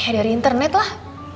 dari internet lah